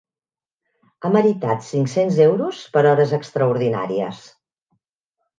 Ha meritat cinc-cents euros per hores extraordinàries.